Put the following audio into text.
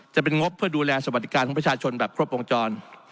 จะเป็นงบเพื่อดูแลสวัสดิการของประชาชนแบบครบวงจร